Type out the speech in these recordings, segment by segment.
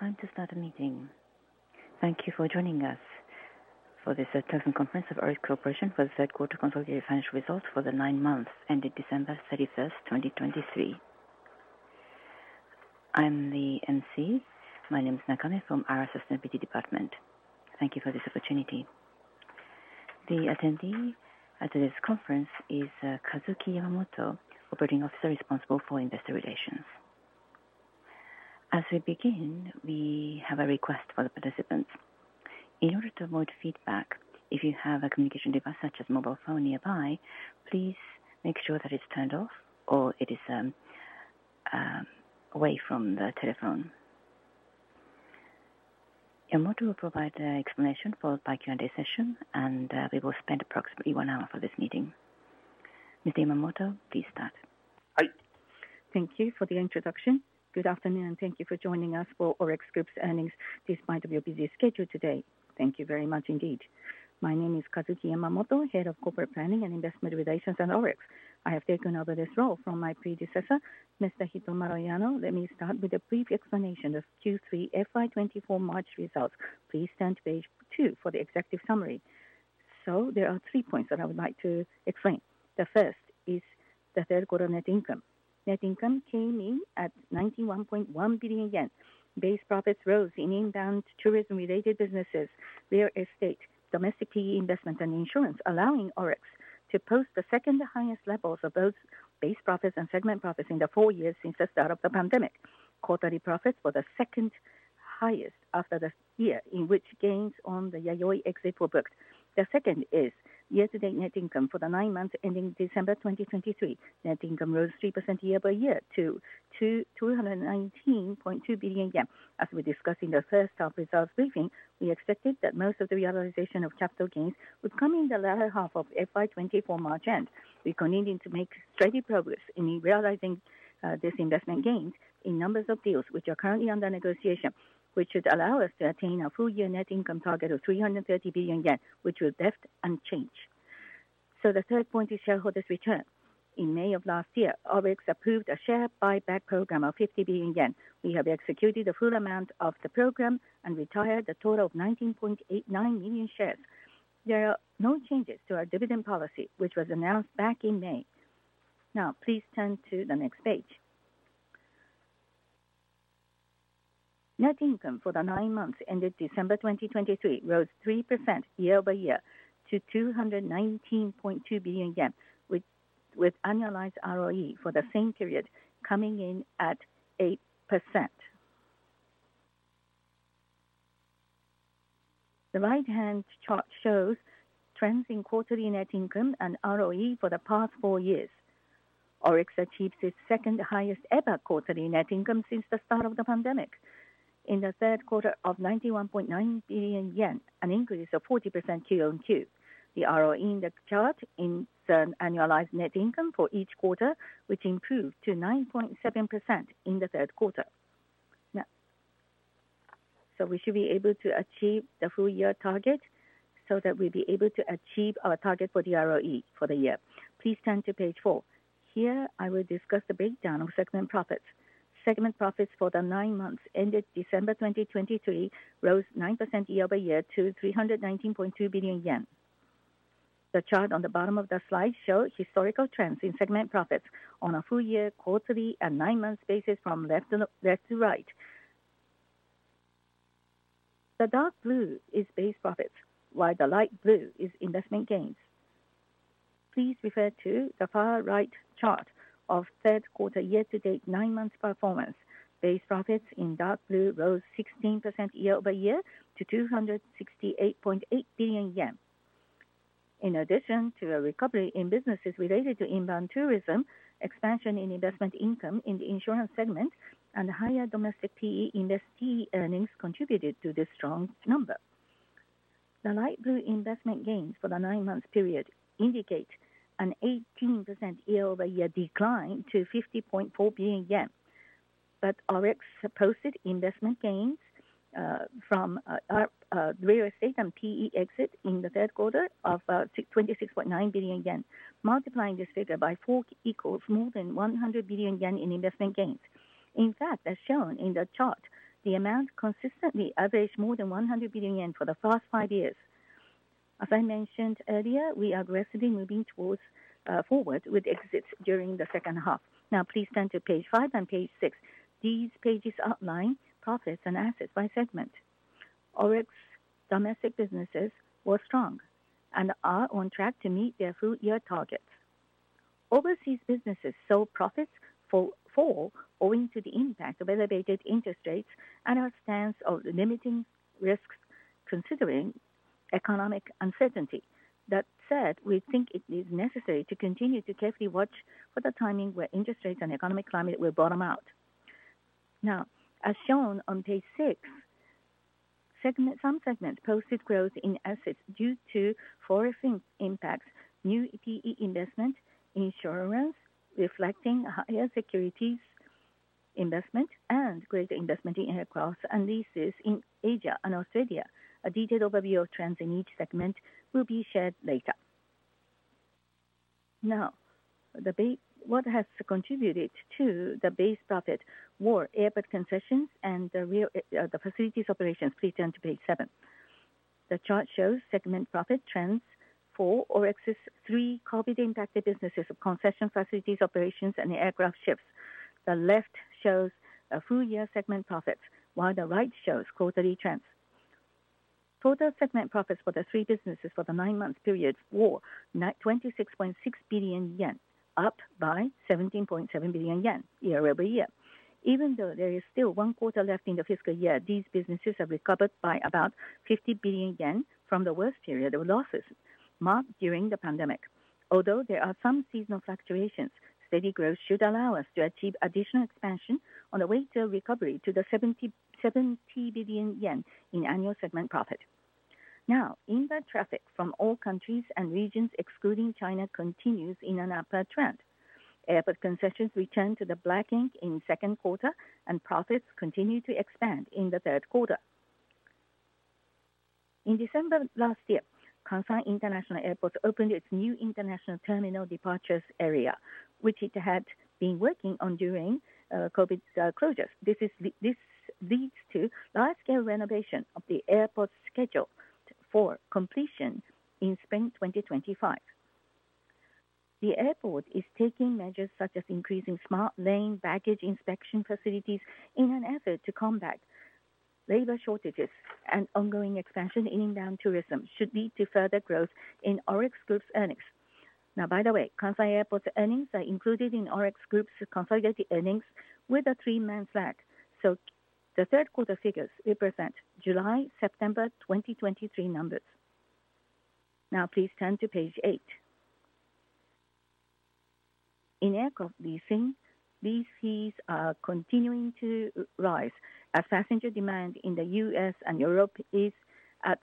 It's time to start the meeting. Thank you for joining us for this telephone conference of ORIX Corporation for the third quarter consolidated financial results for the nine months ending December 31, 2023. I'm the MC. My name is Nakami from our sustainability department. Thank you for this opportunity. The attendee at today's conference is Kazuki Yamamoto, Operating Officer responsible for investor relations. As we begin, we have a request for the participants. In order to avoid feedback, if you have a communication device such as mobile phone nearby, please make sure that it's turned off or it is away from the telephone. Yamamoto will provide an explanation for the Q&A session, and we will spend approximately one hour for this meeting. Mr. Yamamoto, please start. Thank you for the introduction. Good afternoon, and thank you for joining us for ORIX Group's earnings despite your busy schedule today. Thank you very much indeed. My name is Kazuki Yamamoto, head of Corporate Planning and Investor Relations at ORIX. I have taken over this role from my predecessor, Mr. Hitomaro Yano. Let me start with a brief explanation of Q3 FY 2024 March results. Please turn to page 2 for the executive summary. There are three points that I would like to explain. The first is the third quarter net income. Net income came in at 91.1 billion yen. Base profits rose in inbound tourism-related businesses, real estate, domestic PE investment, and insurance, allowing ORIX to post the second highest levels of both base profits and segment profits in the four years since the start of the pandemic. Quarterly profits were the second highest after the year in which gains on the Yayoi exit were booked. The second is year-to-date net income for the nine months ending December 2023. Net income rose 3% year-over-year to 2,219.2 billion yen. As we discussed in the first half results briefing, we expected that most of the realization of capital gains would come in the latter half of FY 2024 March end. We're continuing to make steady progress in realizing this investment gains in numbers of deals which are currently under negotiation, which should allow us to attain our full year net income target of 330 billion yen, which was left unchanged. So the third point is shareholders' return. In May of last year, ORIX approved a share buyback program of 50 billion yen. We have executed the full amount of the program and retired a total of 19.89 million shares. There are no changes to our dividend policy, which was announced back in May. Now, please turn to the next page. Net income for the nine months ended December 2023 rose 3% year-over-year to 219.2 billion yen, with annualized ROE for the same period coming in at 8%. The right-hand chart shows trends in quarterly net income and ROE for the past four years. ORIX achieved its second highest ever quarterly net income since the start of the pandemic. In the third quarter, of 91.9 billion yen, an increase of 40% Q-on-Q. The ROE in the chart is an annualized net income for each quarter, which improved to 9.7% in the third quarter. Now, so we should be able to achieve the full year target, so that we'll be able to achieve our target for the ROE for the year. Please turn to page four. Here, I will discuss the breakdown of segment profits. Segment profits for the nine months ended December 2023 rose 9% year-over-year to 319.2 billion yen. The chart on the bottom of the slide show historical trends in segment profits on a full year, quarterly, and nine-month basis from left to, left to right. The dark blue is base profits, while the light blue is investment gains. Please refer to the far right chart of third quarter year-to-date nine months performance. Base profits in dark blue rose 16% year-over-year to 268.8 billion yen. In addition to a recovery in businesses related to inbound tourism, expansion in investment income in the insurance segment and higher domestic PE investee earnings contributed to this strong number. The light blue investment gains for the nine-month period indicate an 18% year-over-year decline to 50.4 billion yen. But ORIX posted investment gains from real estate and PE exit in the third quarter of 26.9 billion yen. Multiplying this figure by four equals more than 100 billion yen in investment gains. In fact, as shown in the chart, the amount consistently averages more than 100 billion yen for the past five years. As I mentioned earlier, we are aggressively moving towards forward with exits during the second half. Now, please turn to page five and page six. These pages outline profits and assets by segment. ORIX domestic businesses were strong and are on track to meet their full-year targets. Overseas businesses saw profits fall owing to the impact of elevated interest rates and our stance of limiting risks considering economic uncertainty. That said, we think it is necessary to continue to carefully watch for the timing where interest rates and economic climate will bottom out. Now, as shown on page six, some segments posted growth in assets due to foreign impacts, new PE investment, insurance reflecting higher securities investment and greater investment in aircraft and leases in Asia and Australia. A detailed overview of trends in each segment will be shared later. Now, what has contributed to the base profit were airport concessions and the real, the facilities operations. Please turn to page 7. The chart shows segment profit trends for ORIX's three COVID-impacted businesses of concession facilities, operations, and aircraft ships. The left shows a full year segment profits, while the right shows quarterly trends. Total segment profits for the three businesses for the nine-month period were -26.6 billion yen, up by 17.7 billion yen year-over-year. Even though there is still one quarter left in the fiscal year, these businesses have recovered by about 50 billion yen from the worst period of losses marked during the pandemic. Although there are some seasonal fluctuations, steady growth should allow us to achieve additional expansion on the way to recovery to the 77 billion yen in annual segment profit. Now, inbound traffic from all countries and regions, excluding China, continues in an upward trend. Airport concessions returned to the black ink in second quarter, and profits continued to expand in the third quarter. In December last year, Kansai International Airport opened its new international terminal departures area, which it had been working on during COVID closures. This leads to large-scale renovation of the airport's schedule for completion in spring 2025. The airport is taking measures such as increasing smart lane baggage inspection facilities in an effort to combat labor shortages and ongoing expansion in inbound tourism should lead to further growth in ORIX Group's earnings. Now, by the way, Kansai Airport's earnings are included in ORIX Group's consolidated earnings with a 3-month lag. So the third quarter figures represent July, September 2023 numbers. Now please turn to page 8. In aircraft leasing, lease fees are continuing to rise as passenger demand in the U.S. and Europe is at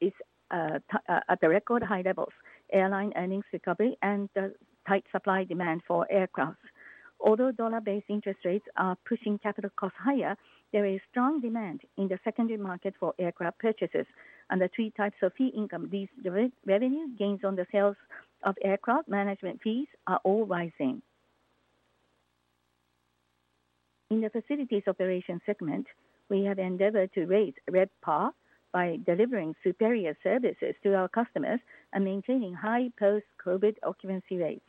the record high levels, airline earnings recovery and the tight supply demand for aircraft. Although dollar-based interest rates are pushing capital costs higher, there is strong demand in the secondary market for aircraft purchases and the three types of fee income. These revenues, gains on the sales of aircraft, management fees are all rising. In the facilities operation segment, we have endeavored to raise RevPAR by delivering superior services to our customers and maintaining high post-COVID occupancy rates.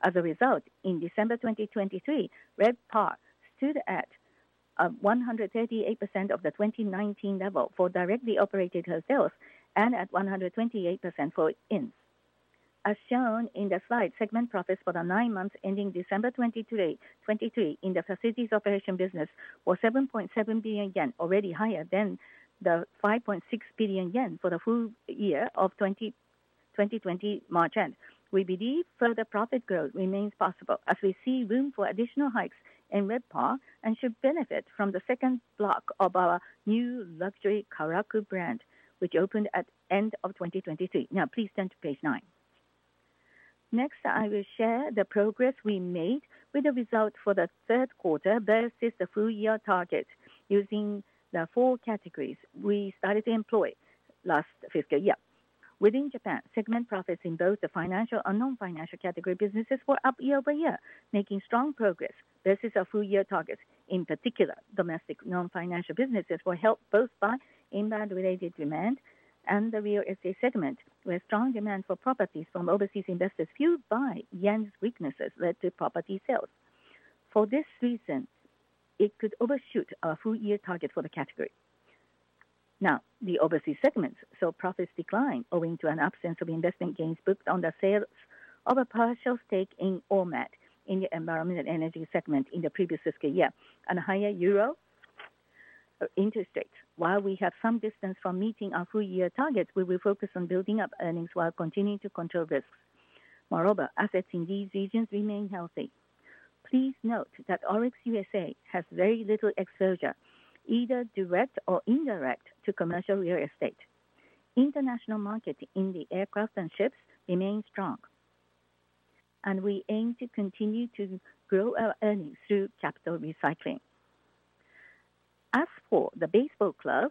As a result, in December 2023, RevPAR stood at 138% of the 2019 level for directly operated hotels and at 128% for inns. As shown in the slide, segment profits for the nine months ending December 20, 2023, in the facilities operation business were 7.7 billion yen, already higher than the 5.6 billion yen for the full year of 2020 March end. We believe further profit growth remains possible as we see room for additional hikes in RevPAR and should benefit from the second block of our new luxury Karaku brand, which opened at end of 2023. Now please turn to page 9. Next, I will share the progress we made with the result for the third quarter versus the full-year target, using the 4 categories we started to employ last fiscal year. Within Japan, segment profits in both the financial and non-financial category businesses were up year-over-year, making strong progress versus our full-year targets. In particular, domestic non-financial businesses were helped both by inbound-related demand and the real estate segment, where strong demand for properties from overseas investors fueled by yen's weaknesses led to property sales. For this reason, it could overshoot our full-year target for the category. Now, the overseas segments, so profits declined owing to an absence of investment gains booked on the sale of a partial stake in ORMAT, in the environment and energy segment in the previous fiscal year, and a higher euro interest rate. While we have some distance from meeting our full-year targets, we will focus on building up earnings while continuing to control risks. Moreover, assets in these regions remain healthy. Please note that ORIX USA has very little exposure, either direct or indirect, to commercial real estate. International market in the aircraft and ships remains strong, and we aim to continue to grow our earnings through capital recycling. As for the baseball club,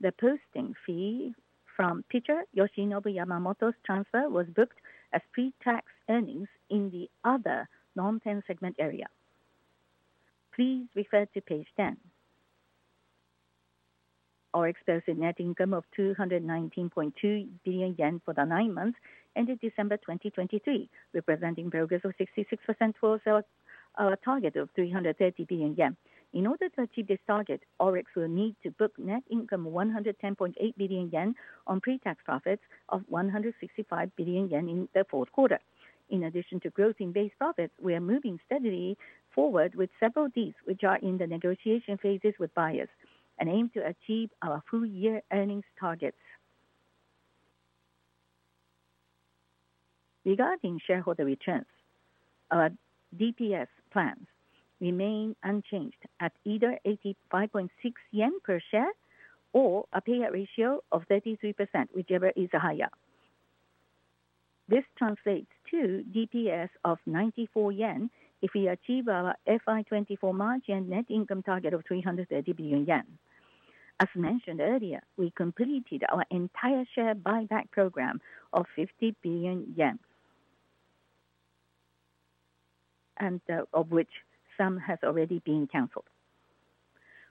the posting fee from pitcher Yoshinobu Yamamoto's transfer was booked as pretax earnings in the other non-rent segment area. Please refer to page 10. ORIX shows a net income of 219.2 billion yen for the nine months ended December 2023, representing progress of 66% towards our target of 330 billion yen. In order to achieve this target, ORIX will need to book net income of 110.8 billion yen on pretax profits of 165 billion yen in the fourth quarter. In addition to growth in Base Profits, we are moving steadily forward with several deals which are in the negotiation phases with buyers and aim to achieve our full-year earnings targets. Regarding shareholder returns, our DPS plans remain unchanged at either 85.6 yen per share or a payout ratio of 33%, whichever is higher. This translates to DPS of 94 yen if we achieve our FY 2024 March and net income target of 330 billion yen. ...As mentioned earlier, we completed our entire share buyback program of 50 billion yen, and, of which some has already been canceled.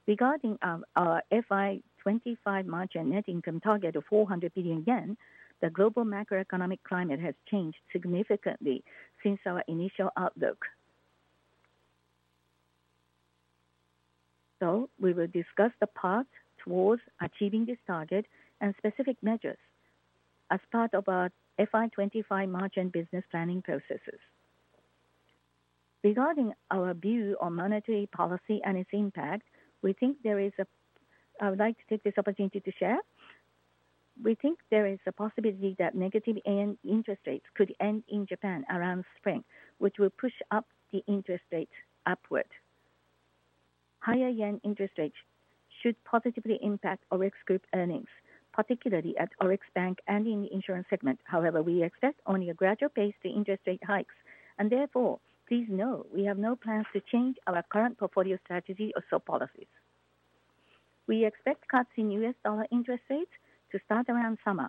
Regarding, our FY 2025 margin net income target of 400 billion yen, the global macroeconomic climate has changed significantly since our initial outlook. So we will discuss the path towards achieving this target and specific measures as part of our FY 2025 margin business planning processes. Regarding our view on monetary policy and its impact, we think there is a I would like to take this opportunity to share. We think there is a possibility that negative end interest rates could end in Japan around spring, which will push up the interest rates upward. Higher yen interest rates should positively impact ORIX Group earnings, particularly at ORIX Bank and in the insurance segment. However, we expect only a gradual pace to interest rate hikes, and therefore, please know we have no plans to change our current portfolio strategy or sell policies. We expect cuts in US dollar interest rates to start around summer.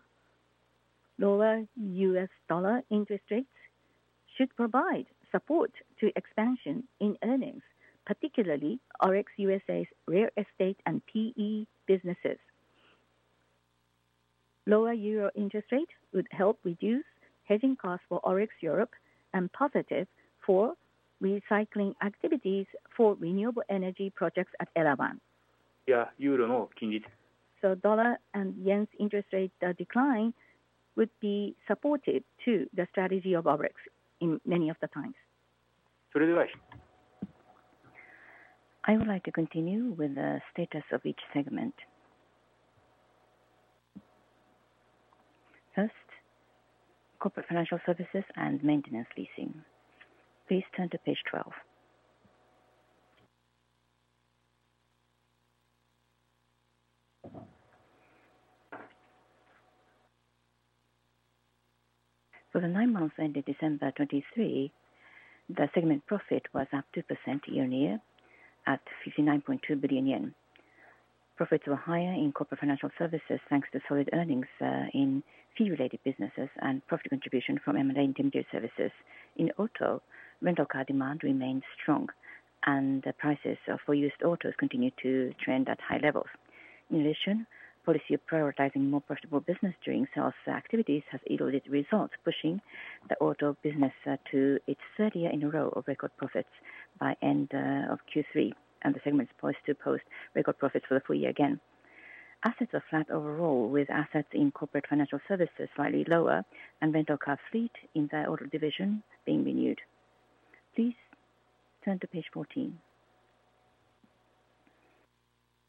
Lower US dollar interest rates should provide support to expansion in earnings, particularly ORIX USA's real estate and PE businesses. Lower euro interest rates would help reduce hedging costs for ORIX Europe and positive for recycling activities for renewable energy projects at Elawan. So dollar and yen's interest rate decline would be supportive to the strategy of ORIX in many of the times. I would like to continue with the status of each segment. First, corporate financial services and maintenance leasing. Please turn to page 12. For the nine months ended December 2023, the segment profit was up 2% year-on-year, at 59.2 billion yen. Profits were higher in corporate financial services, thanks to solid earnings in fee-related businesses and profit contribution from M&A intermediary services. In auto, rental car demand remains strong, and the prices for used autos continue to trend at high levels. In addition, policy of prioritizing more profitable business during sales activities has yielded results, pushing the auto business to its third year in a row of record profits by end of Q3, and the segment is poised to post record profits for the full year again. Assets are flat overall, with assets in corporate financial services slightly lower and rental car fleet in the auto division being renewed. Please turn to page 14.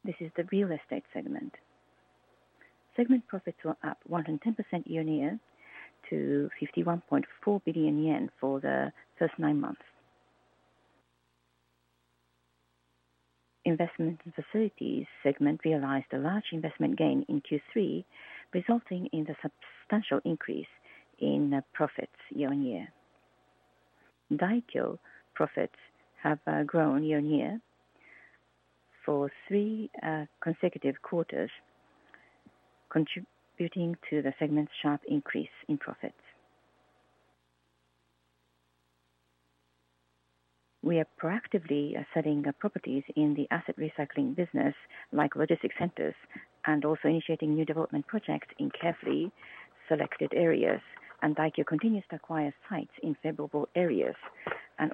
This is the real estate segment. Segment profits were up 110% year-on-year to 51.4 billion yen for the first nine months. Investment in facilities segment realized a large investment gain in Q3, resulting in the substantial increase in profits year-on-year. Daikyo profits have grown year-on-year for 3 consecutive quarters, contributing to the segment's sharp increase in profits. We are proactively selling the properties in the asset recycling business, like logistic centers, and also initiating new development projects in carefully selected areas. Daikyo continues to acquire sites in favorable areas.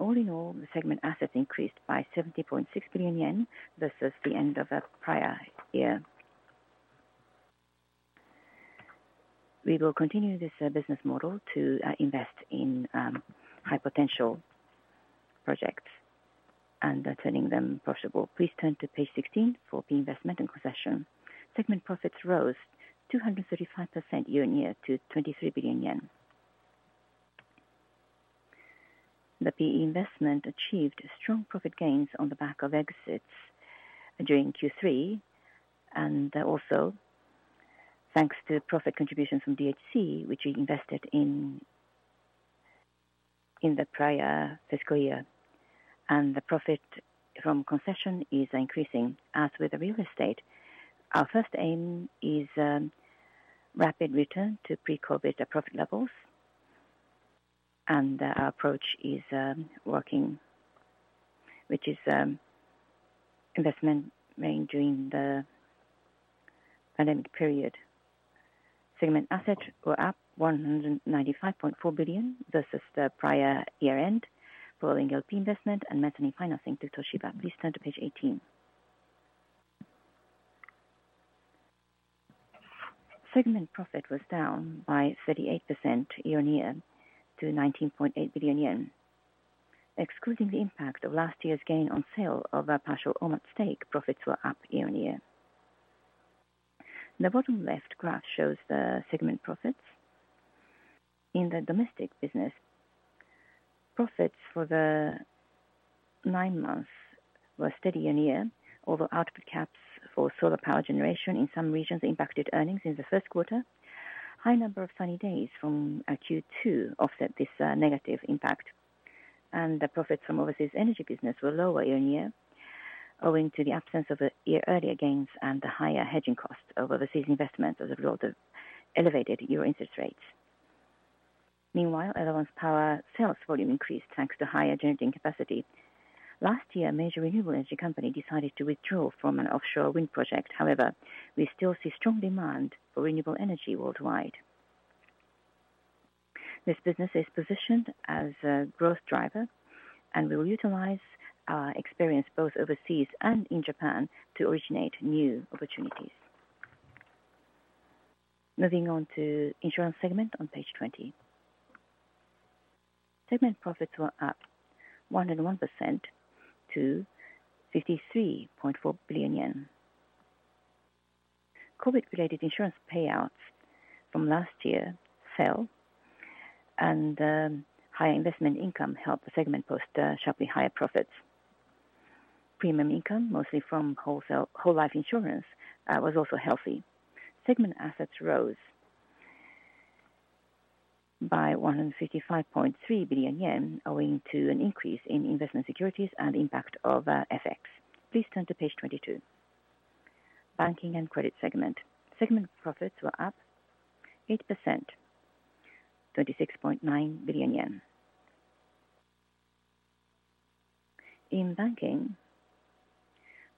All in all, the segment assets increased by 70.6 billion yen versus the end of the prior year. We will continue this business model to invest in high-potential projects and turning them profitable. Please turn to page 16 for PE investment and concession. Segment profits rose 235% year-on-year to JPY 23 billion. The PE investment achieved strong profit gains on the back of exits during Q3, and also thanks to profit contribution from DHC, which we invested in, in the prior fiscal year. The profit from concession is increasing. As with the real estate, our first aim is rapid return to pre-COVID profit levels, and our approach is working, which is investment made during the pandemic period. Segment assets were up 195.4 billion versus the prior year-end, following LP investment and mezzanine financing to Toshiba. Please turn to page 18. Segment profit was down by 38% year-on-year to 19.8 billion yen. Excluding the impact of last year's gain on sale of a partial Ormat stake, profits were up year-on-year. The bottom left graph shows the segment profits. In the domestic business, profits for the nine months were steady year-on-year, although output caps for solar power generation in some regions impacted earnings in the first quarter. High number of sunny days from Q2 offset this negative impact. And the profit from overseas energy business were lower year-on-year, owing to the absence of the year earlier gains and the higher hedging costs of overseas investments as a result of elevated year interest rates. Meanwhile, Avolon's power sales volume increased, thanks to higher generating capacity. Last year, a major renewable energy company decided to withdraw from an offshore wind project. However, we still see strong demand for renewable energy worldwide. This business is positioned as a growth driver, and we will utilize our experience both overseas and in Japan to originate new opportunities. Moving on to insurance segment on page 20. Segment profits were up 101% to JPY 53.4 billion. COVID-related insurance payouts from last year fell, and high investment income helped the segment post sharply higher profits. Premium income, mostly from wholesale whole life insurance, was also healthy. Segment assets rose by 155.3 billion yen, owing to an increase in investment securities and impact of FX. Please turn to page 22. Banking and credit segment. Segment profits were up 8%, JPY 26.9 billion. In banking,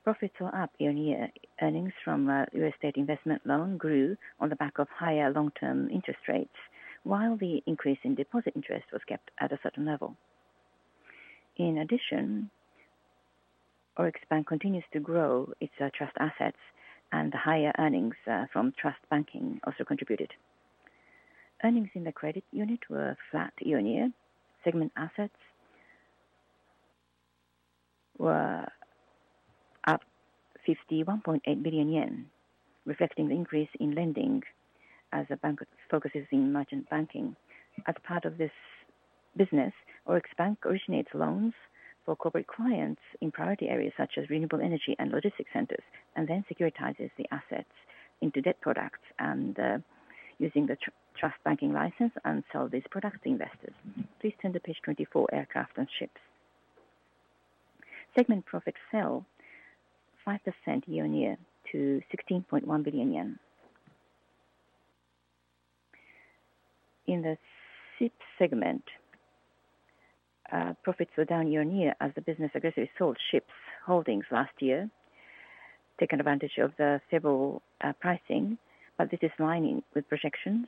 profits were up year-on-year. Earnings from U.S. state investment loan grew on the back of higher long-term interest rates, while the increase in deposit interest was kept at a certain level. In addition, ORIX Bank continues to grow its trust assets, and the higher earnings from trust banking also contributed. Earnings in the credit unit were flat year-on-year. Segment assets were up 51.8 billion yen, reflecting the increase in lending as the bank focuses in merchant banking. As part of this business, ORIX Bank originates loans for corporate clients in priority areas such as renewable energy and logistics centers, and then securitizes the assets into debt products and, using the trust banking license and sell these products to investors. Please turn to page 24, Aircraft and Ships. Segment profit fell 5% year-on-year to JPY 16.1 billion. In the ship segment, profits were down year-on-year as the business aggressively sold ships holdings last year, taking advantage of the favorable pricing. But this is in line with projections,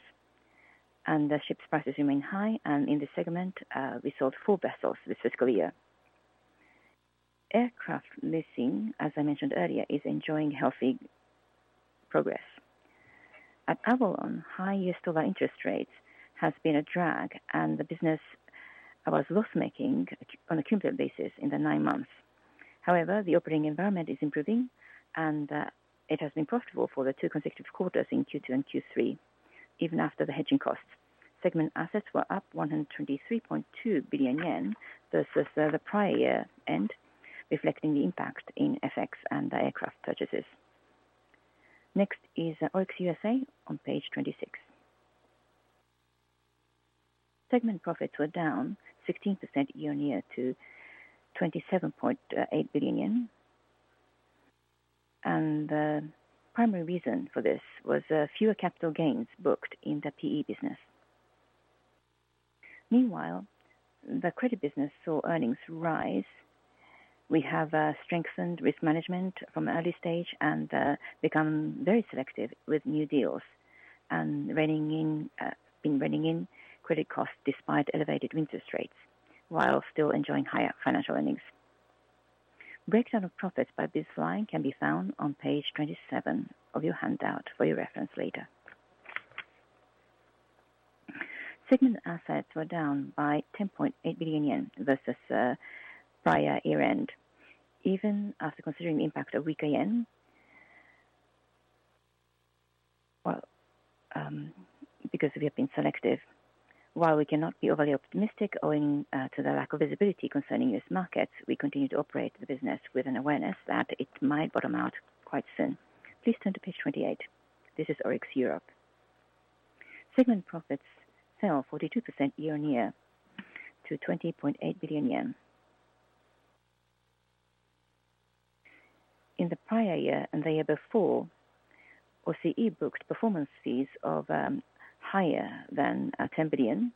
and the ships prices remain high, and in this segment, we sold four vessels this fiscal year. Aircraft leasing, as I mentioned earlier, is enjoying healthy progress. At Avolon, high U.S. dollar interest rates has been a drag, and the business was loss-making on a cumulative basis in the nine months. However, the operating environment is improving, and it has been profitable for the two consecutive quarters in Q2 and Q3, even after the hedging costs. Segment assets were up 123.2 billion yen versus the prior year end, reflecting the impact in FX and the aircraft purchases. Next is ORIX USA on page 26. Segment profits were down 16% year-on-year to JPY 27.8 billion, and the primary reason for this was fewer capital gains booked in the PE business. Meanwhile, the credit business saw earnings rise. We have strengthened risk management from early stage and become very selective with new deals and been reining in credit costs despite elevated interest rates, while still enjoying higher financial earnings. Breakdown of profits by business line can be found on page 27 of your handout for your reference later. Segment assets were down by 10.8 billion yen versus prior year-end, even after considering the impact of weaker yen. Well, because we have been selective, while we cannot be overly optimistic, owing to the lack of visibility concerning U.S. markets, we continue to operate the business with an awareness that it might bottom out quite soon. Please turn to page 28. This is ORIX Europe. Segment profits fell 42% year-on-year to JPY 20.8 billion. In the prior year and the year before, OCE booked performance fees of higher than 10 billion.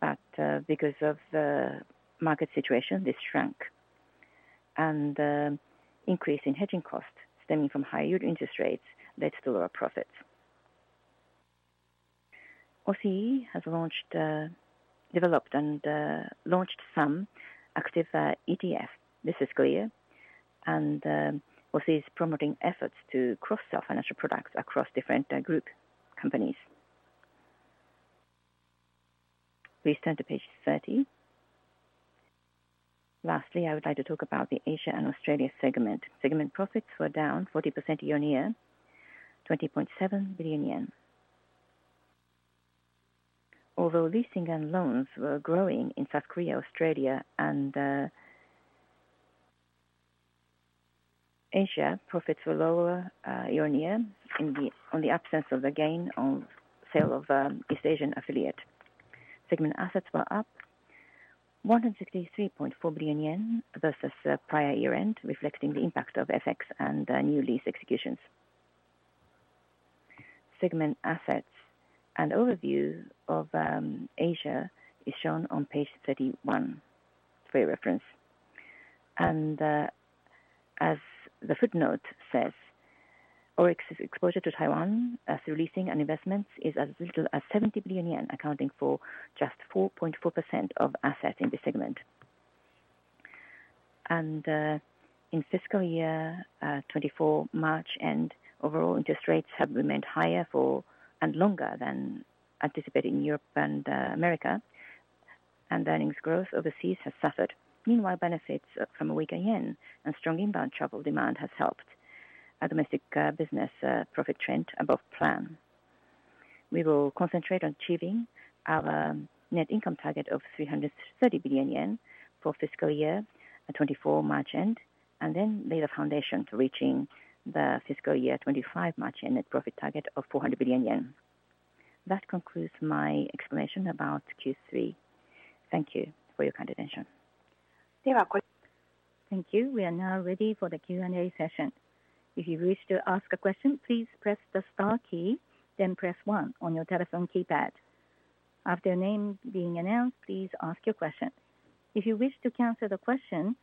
But because of the market situation, this shrank, and the increase in hedging costs stemming from higher interest rates led to lower profits. OCE has launched, developed and launched some active ETF this fiscal year, and OCE is promoting efforts to cross-sell financial products across different group companies. Please turn to page 30. Lastly, I would like to talk about the Asia and Australia segment. Segment profits were down 40% year-on-year, JPY 20.7 billion. Although leasing and loans were growing in South Korea, Australia, and Asia profits were lower year-on-year on the absence of a gain on sale of East Asian affiliate. Segment assets were up 163.4 billion yen versus prior year-end, reflecting the impact of FX and new lease executions. Segment assets and overview of Asia is shown on page 31 for your reference. As the footnote says, ORIX's exposure to Taiwan as leasing and investments is as little as 70 billion yen, accounting for just 4.4% of assets in this segment. In Fiscal Year 2024 March end, overall interest rates have remained higher for and longer than anticipated in Europe and America, and earnings growth overseas has suffered. Meanwhile, benefits from a weaker yen and strong inbound travel demand has helped our domestic business profit trend above plan. We will concentrate on achieving our net income target of 330 billion yen for Fiscal Year 2024 March end, and then lay the foundation to reaching the Fiscal Year 2025 March end net profit target of 400 billion yen. That concludes my explanation about Q3. Thank you for your kind attention. Thank you. We are now ready for the Q&A session. If you wish to ask a question, please press the star key, then press one on your telephone keypad. After your name being announced, please ask your question. If you wish to cancel the question,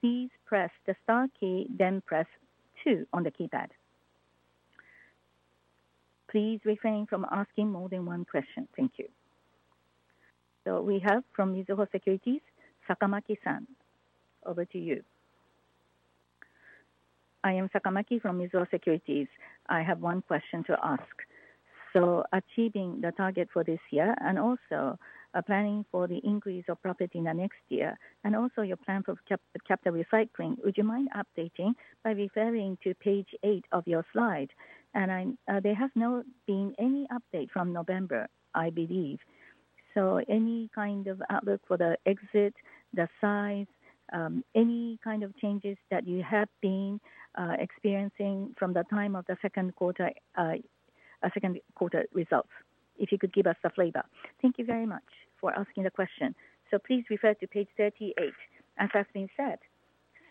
please press the star key, then press two on the keypad. Please refrain from asking more than one question. Thank you. So we have from Mizuho Securities, Sakamaki-san, over to you. I am Sakamaki from Mizuho Securities. I have one question to ask. So achieving the target for this year and also, planning for the increase of profit in the next year, and also your plan for capital recycling, would you mind updating by referring to page eight of your slide? And there has not been any update from November, I believe. So, any kind of outlook for the exit, the size, any kind of changes that you have been, second quarter, second quarter results, if you could give us the flavor. Thank you very much for asking the question. Please refer to page 38, as has been said.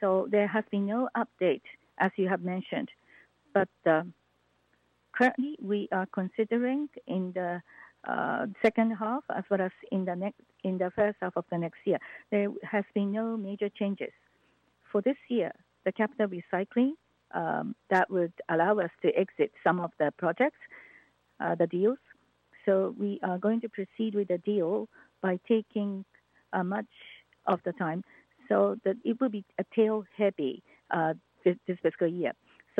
There has been no update, as you have mentioned, but currently we are considering in the second half as well as in the next, in the first half of the next year, there has been no major changes. For this year, the capital recycling that would allow us to exit some of the projects, the deals, so we are going to proceed with the deal by taking much of the time so that it will be a tail heavy this fiscal year.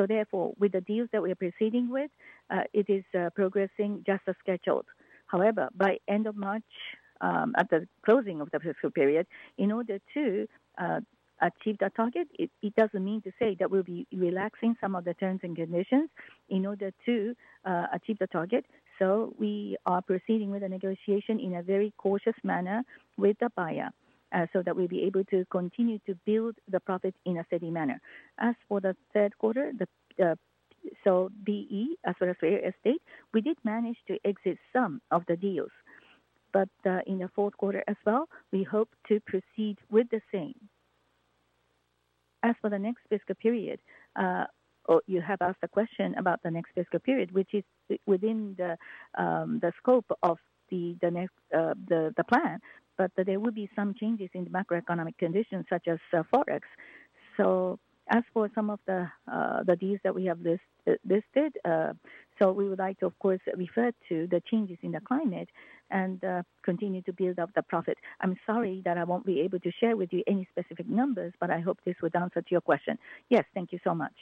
Therefore, with the deals that we are proceeding with, it is progressing just as scheduled. However, by end of March, at the closing of the fiscal period, in order to achieve that target, it doesn't mean to say that we'll be relaxing some of the terms and conditions in order to achieve the target. So we are proceeding with the negotiation in a very cautious manner with the buyer, so that we'll be able to continue to build the profit in a steady manner. As for the third quarter, so PE, as well as real estate, we did manage to exit some of the deals, but in the fourth quarter as well, we hope to proceed with the same. As for the next fiscal period, or you have asked a question about the next fiscal period, which is within the scope of the next plan, but there will be some changes in the macroeconomic conditions, such as Forex. So as for some of the deals that we have listed, so we would like to, of course, refer to the changes in the climate and continue to build up the profit. I'm sorry that I won't be able to share with you any specific numbers, but I hope this would answer to your question. Yes, thank you so much.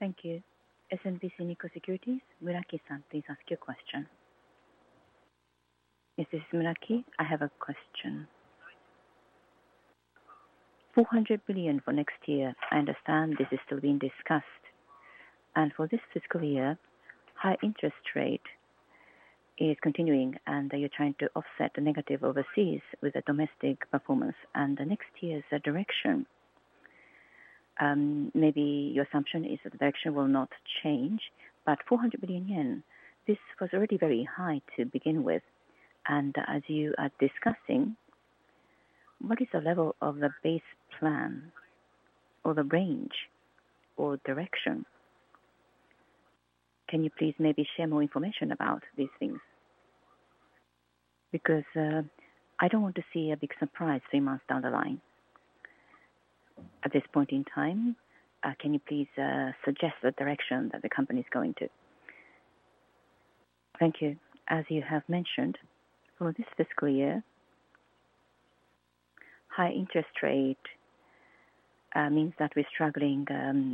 Thank you. SMBC Nikko Securities, Muraki-san, please ask your question. This is Muraki. I have a question. 400 billion for next year, I understand this is still being discussed. And for this fiscal year, high interest rate is continuing, and you're trying to offset the negative overseas with the domestic performance and the next year's direction. Maybe your assumption is that the direction will not change, but 400 billion yen, this was already very high to begin with. And as you are discussing, what is the level of the base plan or the range or direction? Can you please maybe share more information about these things? Because, I don't want to see a big surprise three months down the line. At this point in time, can you please, suggest the direction that the company is going to? Thank you. As you have mentioned, for this fiscal year, high interest rate means that we're struggling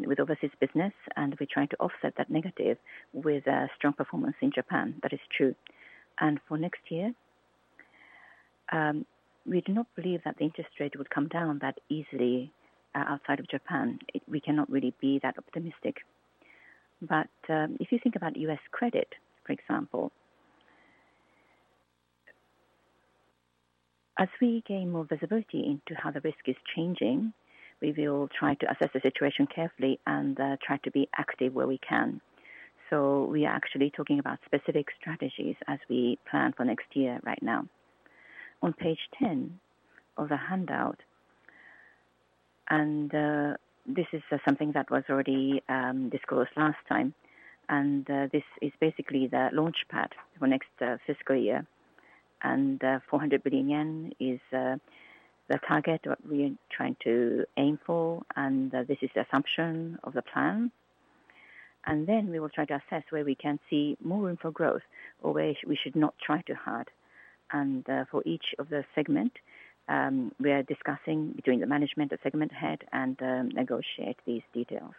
with overseas business, and we're trying to offset that negative with a strong performance in Japan. That is true. For next year, we do not believe that the interest rate would come down that easily outside of Japan. We cannot really be that optimistic. But if you think about U.S. credit, for example. As we gain more visibility into how the risk is changing, we will try to assess the situation carefully and try to be active where we can. So we are actually talking about specific strategies as we plan for next year right now. On page 10 of the handout, and this is something that was already discussed last time, and this is basically the launch pad for next fiscal year. 400 billion yen is the target what we are trying to aim for, and this is the assumption of the plan. Then we will try to assess where we can see more room for growth or where we should not try too hard. For each of the segment, we are discussing between the management, the segment head, and negotiate these details.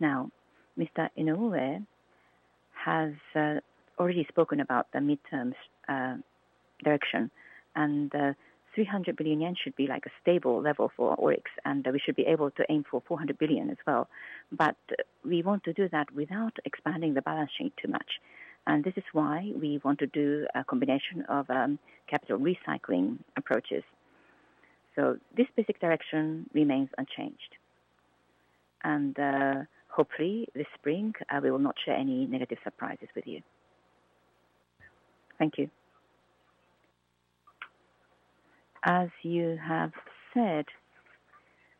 Now, Mr. Inoue has already spoken about the mid-term direction, and 300 billion yen should be like a stable level for ORIX, and we should be able to aim for 400 billion as well. But we want to do that without expanding the balance sheet too much, and this is why we want to do a combination of capital recycling approaches. So this basic direction remains unchanged. Hopefully, this spring, we will not share any negative surprises with you. Thank you. As you have said,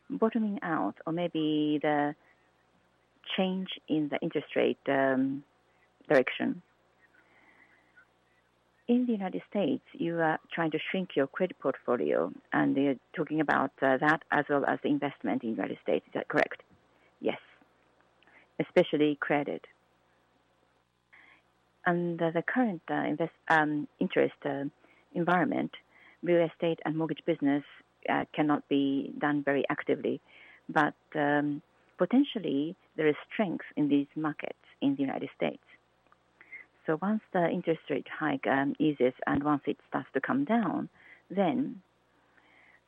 bottoming out or maybe the change in the interest rate direction. In the United States, you are trying to shrink your credit portfolio, and you're talking about that as well as the investment in United States. Is that correct? Yes, especially credit. Under the current interest environment, real estate and mortgage business cannot be done very actively. But potentially, there is strength in these markets in the United States. So once the interest rate hike eases and once it starts to come down, then,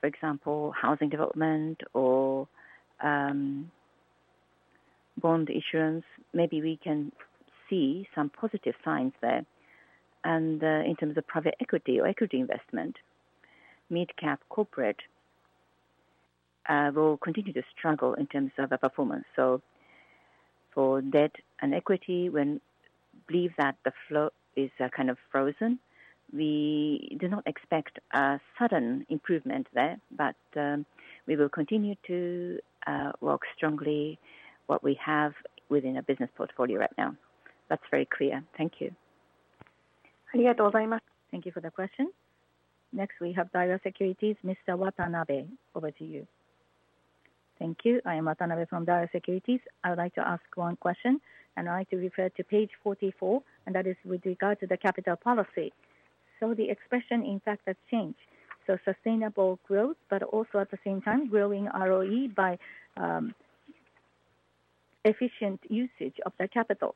for example, housing development or bond insurance, maybe we can see some positive signs there. In terms of private equity or equity investment, mid-cap corporate will continue to struggle in terms of the performance. For debt and equity, when believe that the flow is kind of frozen, we do not expect a sudden improvement there, but we will continue to work strongly what we have within our business portfolio right now. That's very clear. Thank you. Thank you for the question. Next, we have Daiwa Securities, Mr. Watanabe, over to you. Thank you. I am Watanabe from Daiwa Securities. I would like to ask one question, and I'd like to refer to page 44, and that is with regard to the capital policy. So the expression, in fact, has changed. So sustainable growth, but also at the same time, growing ROE by efficient usage of the capital.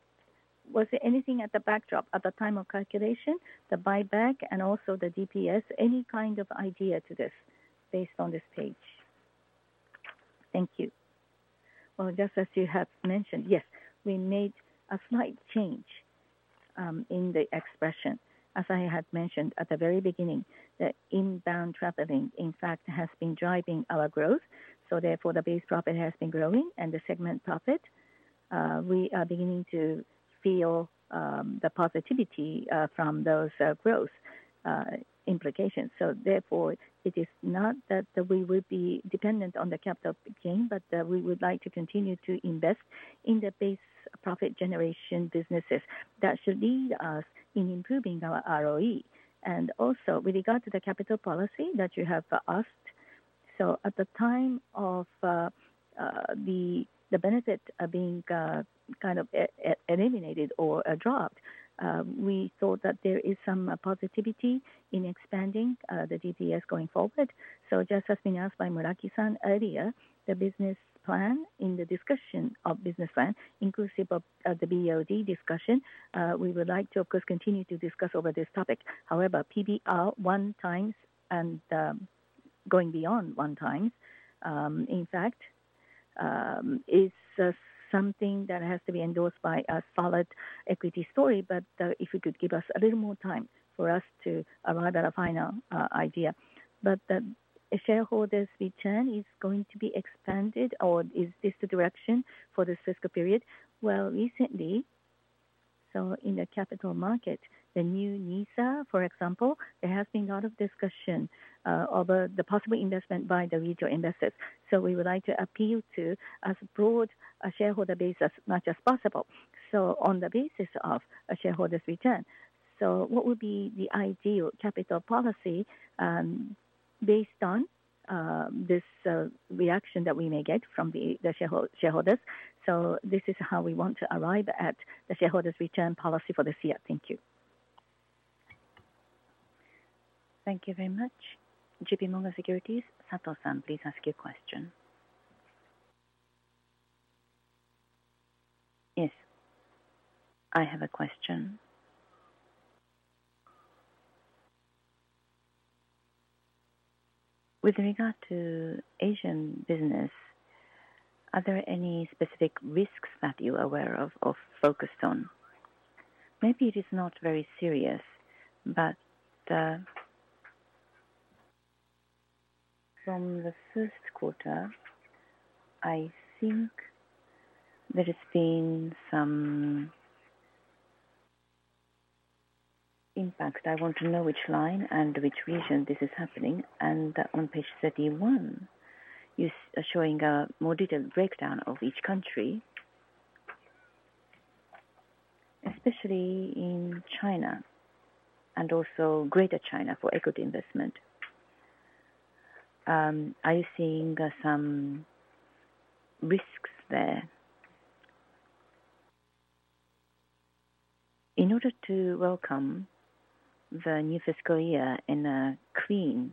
Was there anything at the backdrop at the time of calculation, the buyback and also the DPS? Any kind of idea to this based on this page? Thank you. Well, just as you have mentioned, yes, we made a slight change in the expression. As I had mentioned at the very beginning, that inbound traveling, in fact, has been driving our growth, so therefore, the base profit has been growing and the segment profit. We are beginning to feel the positivity from those growth implications. So therefore, it is not that we will be dependent on the capital gain, but we would like to continue to invest in the base profit generation businesses. That should lead us in improving our ROE. And also with regard to the capital policy that you have asked, so at the time of the benefit of being kind of eliminated or dropped, we thought that there is some positivity in expanding the DPS going forward. So just as been asked by Muraki-san earlier, the business plan, in the discussion of business plan, inclusive of, of the BOD discussion, we would like to, of course, continue to discuss over this topic. However, PBR 1x and, going beyond 1x, in fact, is something that has to be endorsed by a solid equity story, but, if you could give us a little more time for us to arrive at a final, idea. Shareholders' return is going to be expanded, or is this the direction for this fiscal period? Well, recently, so in the capital market, the new NISA, for example, there has been a lot of discussion over the possible investment by the retail investors. So we would like to appeal to as broad a shareholder base as much as possible, so on the basis of a shareholder's return. So what would be the ideal capital policy, based on this reaction that we may get from the shareholders? So this is how we want to arrive at the shareholders' return policy for this year. Thank you. Thank you very much. J.P. Morgan Securities, Sato-san, please ask your question. Yes, I have a question. With regard to Asian business, are there any specific risks that you're aware of, or focused on? Maybe it is not very serious, but from the first quarter, I think there has been some impact. I want to know which line and which region this is happening. And on page 31, you are showing a more detailed breakdown of each country, especially in China and also Greater China for equity investment. Are you seeing some risks there? In order to welcome the new fiscal year in a clean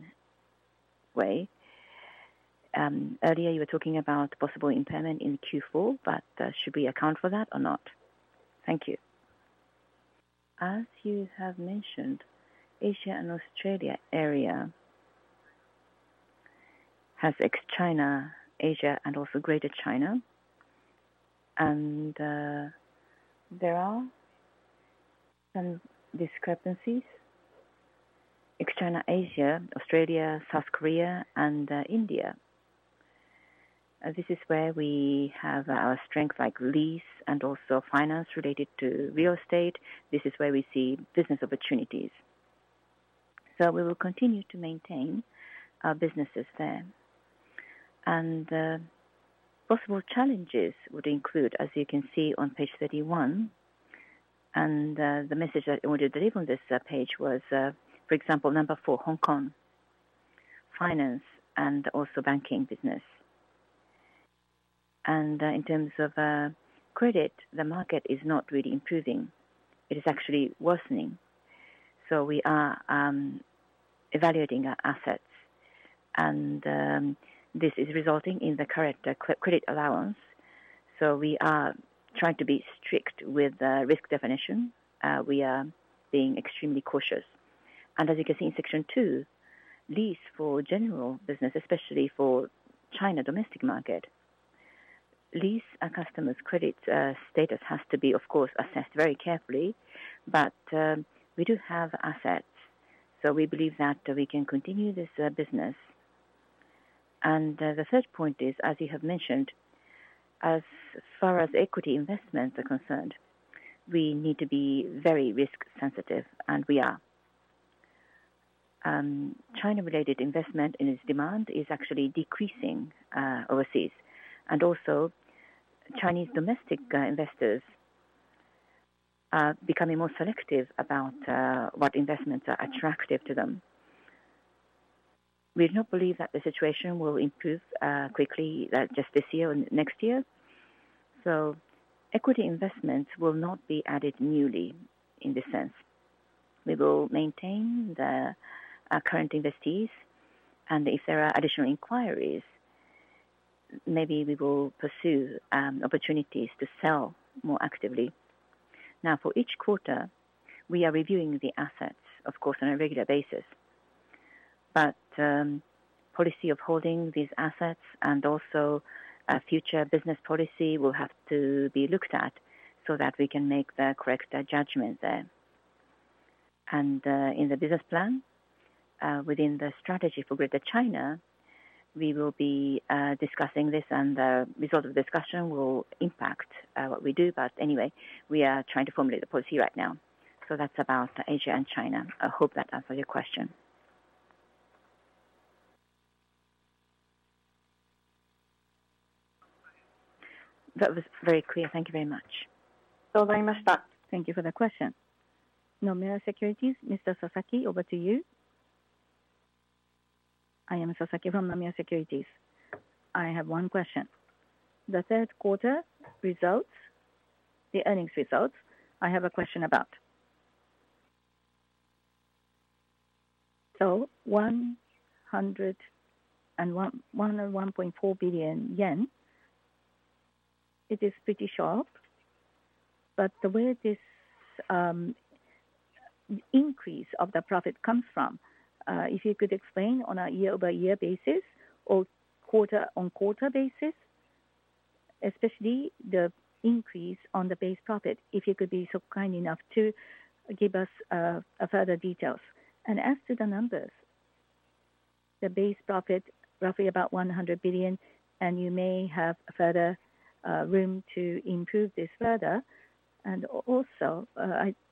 way, earlier you were talking about possible impairment in Q4, but should we account for that or not? Thank you. As you have mentioned, Asia and Australia area has ex-China, Asia and also Greater China. And there are some discrepancies, ex-China, Asia, Australia, South Korea, and India. This is where we have our strength, like lease and also finance related to real estate. This is where we see business opportunities. So we will continue to maintain our businesses there. Possible challenges would include, as you can see on page 31, the message that we want to deliver on this page was, for example, number 4, Hong Kong, finance and also banking business. And, in terms of credit, the market is not really improving. It is actually worsening. So we are evaluating our assets, and this is resulting in the correct credit allowance. So we are trying to be strict with the risk definition. We are being extremely cautious. As you can see in section two, lease for general business, especially for China domestic market, lease our customers' credit status has to be, of course, assessed very carefully, but we do have assets, so we believe that we can continue this business. The third point is, as you have mentioned, as far as equity investments are concerned, we need to be very risk sensitive, and we are. China-related investment and its demand is actually decreasing overseas. Chinese domestic investors are becoming more selective about what investments are attractive to them. We do not believe that the situation will improve quickly just this year or next year. Equity investments will not be added newly in this sense. We will maintain the current investees, and if there are additional inquiries, maybe we will pursue opportunities to sell more actively. Now, for each quarter, we are reviewing the assets, of course, on a regular basis. But policy of holding these assets and also a future business policy will have to be looked at so that we can make the correct judgment there. And in the business plan, within the strategy for Greater China, we will be discussing this, and the result of the discussion will impact what we do. But anyway, we are trying to formulate the policy right now. So that's about Asia and China. I hope that answered your question. That was very clear. Thank you very much. Thank you for the question. Nomura Securities, Mr. Sasaki, over to you. I am Sasaki from Nomura Securities. I have one question. The third quarter results, the earnings results, I have a question about. So 101.4 billion yen, it is pretty sharp, but where this increase of the profit comes from, if you could explain on a year-over-year basis or quarter-on-quarter basis, especially the increase on the base profit, if you could be so kind enough to give us a further details. And as to the numbers, the base profit, roughly about 100 billion, and you may have a further room to improve this further. And also,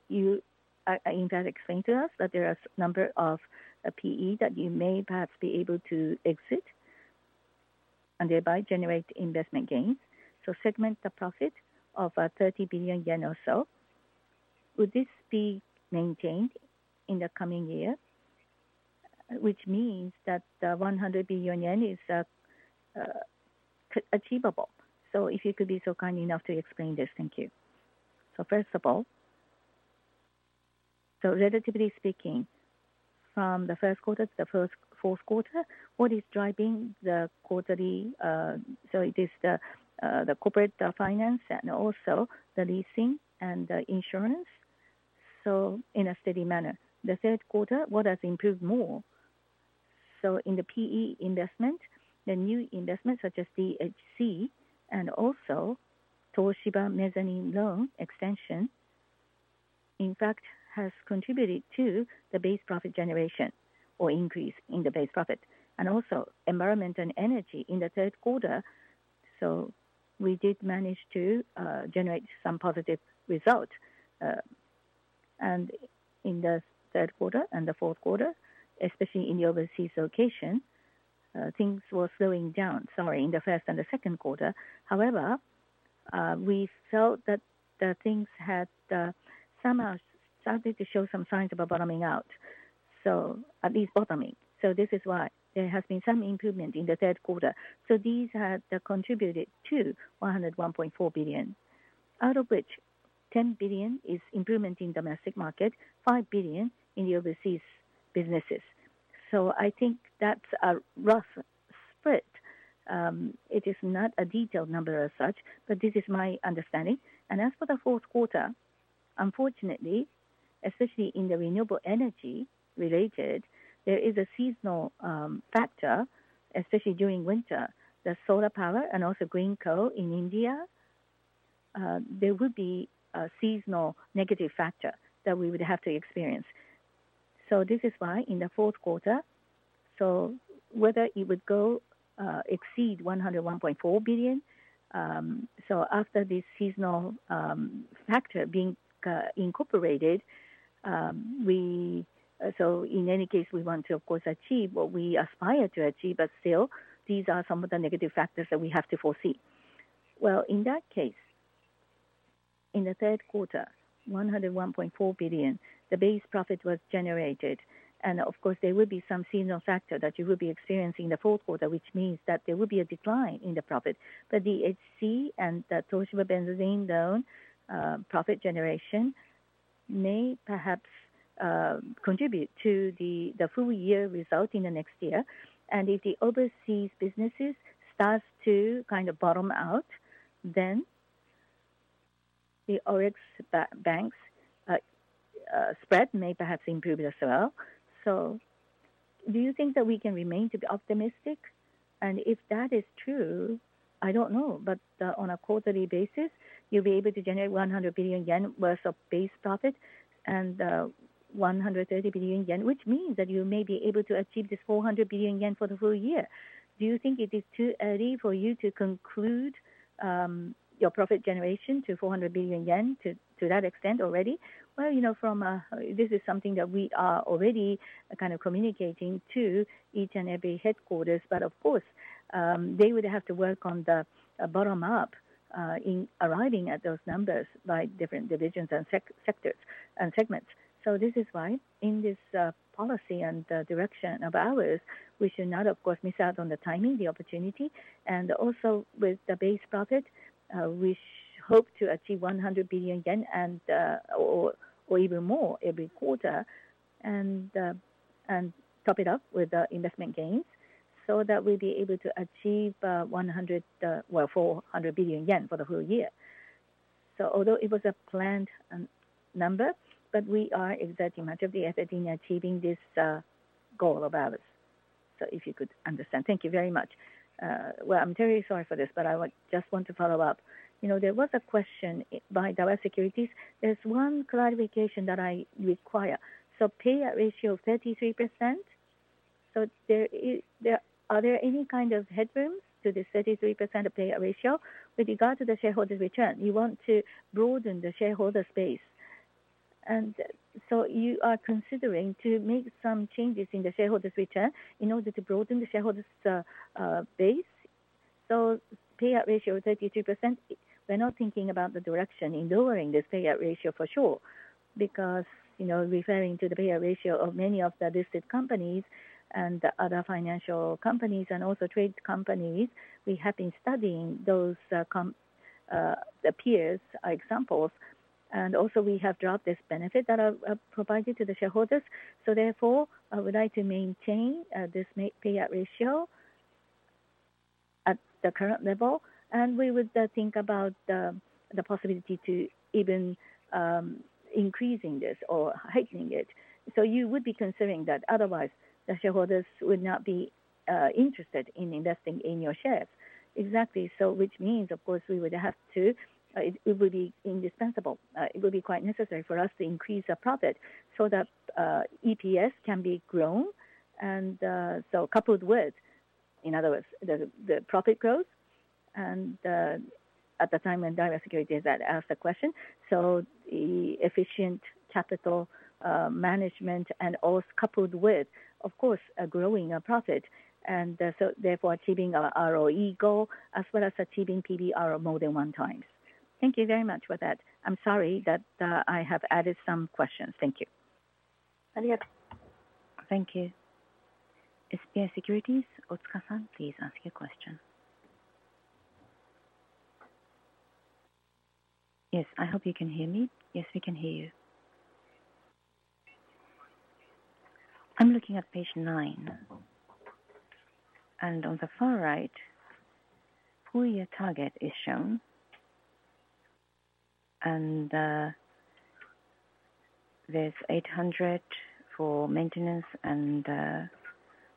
you in that explain to us that there are a number of PE that you may perhaps be able to exit and thereby generate investment gains. So, segment the profit of 30 billion yen or so, would this be maintained in the coming year? Which means that the 100 billion yen is achievable. So if you could be so kind enough to explain this. Thank you. First of all, relatively speaking, from the first quarter to the fourth quarter, what is driving the quarterly? So it is the corporate finance and also the leasing and the insurance?... so in a steady manner. The third quarter, what has improved more? So in the PE investment, the new investments, such as DHC and also Toshiba Mezzanine loan extension, in fact, has contributed to the base profit generation or increase in the base profit, and also environment and energy in the third quarter. So we did manage to generate some positive result. And in the third quarter and the fourth quarter, especially in the overseas location, things were slowing down, sorry, in the first and the second quarter. However, we felt that the things had somehow started to show some signs about bottoming out, so at least bottoming. So this is why there has been some improvement in the third quarter. So these have contributed to 101.4 billion, out of which 10 billion is improvement in domestic market, 5 billion in the overseas businesses. So I think that's a rough split. It is not a detailed number as such, but this is my understanding. And as for the fourth quarter, unfortunately, especially in the renewable energy related, there is a seasonal factor, especially during winter. The solar power and also green coal in India, there would be a seasonal negative factor that we would have to experience. So this is why in the fourth quarter, so whether it would go exceed 101.4 billion, so after this seasonal factor being incorporated, we... So in any case, we want to, of course, achieve what we aspire to achieve, but still, these are some of the negative factors that we have to foresee. Well, in that case, in the third quarter, 101.4 billion, the base profit was generated. And of course, there will be some seasonal factor that you will be experiencing in the fourth quarter, which means that there will be a decline in the profit. But the HC and the Toshiba mezzanine loan profit generation may perhaps contribute to the, the full year result in the next year. And if the overseas businesses starts to kind of bottom out, then the ORIX banks spread may perhaps improve as well. So do you think that we can remain to be optimistic? If that is true, I don't know, but on a quarterly basis, you'll be able to generate 100 billion yen worth of base profit and 130 billion yen, which means that you may be able to achieve this 400 billion yen for the whole year. Do you think it is too early for you to conclude your profit generation to 400 billion yen, to, to that extent already? Well, you know, from a this is something that we are already kind of communicating to each and every headquarters, but of course, they would have to work on the bottom up in arriving at those numbers by different divisions and sectors and segments. So this is why, in this policy and direction of ours, we should not, of course, miss out on the timing, the opportunity, and also with the base profit, we hope to achieve 100 billion yen or even more every quarter, and top it up with the investment gains so that we'll be able to achieve 400 billion yen for the whole year. Although it was a planned number, but we are exerting much of the effort in achieving this goal of ours. So if you could understand. Thank you very much. Well, I'm very sorry for this, but I would just want to follow up. You know, there was a question by Daiwa Securities. There's one clarification that I require. So payout ratio of 33%, so there is. Are there any kind of headroom to this 33% payout ratio? With regard to the shareholder's return, you want to broaden the shareholder's base. And so you are considering to make some changes in the shareholder's return in order to broaden the shareholder's base. So payout ratio of 32%, we're not thinking about the direction in lowering this payout ratio for sure. Because, you know, referring to the payout ratio of many of the listed companies and the other financial companies and also trade companies, we have been studying those comparable peers examples, and also we have dropped this benefit that are provided to the shareholders. So therefore, I would like to maintain this payout ratio at the current level, and we would think about the possibility to even increasing this or heightening it. So you would be considering that otherwise, the shareholders would not be interested in investing in your shares? Exactly. So which means, of course, we would have to; it would be indispensable. It would be quite necessary for us to increase our profit so that EPS can be grown, and so coupled with, in other words, the profit growth and at the time when Daiwa Securities had asked the question, so the efficient capital management and also coupled with, of course, a growing profit, and so therefore, achieving our ROE goal, as well as achieving PBR more than 1x. Thank you very much for that. I'm sorry that, I have added some questions. Thank you. Thank you. SBI Securities, Otsuka-san, please ask your question. Yes, I hope you can hear me. Yes, we can hear you. ... I'm looking at page 9, and on the far right, full year target is shown. There's 800 for maintenance and